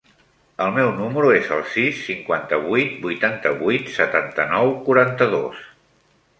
El meu número es el sis, cinquanta-vuit, vuitanta-vuit, setanta-nou, quaranta-dos.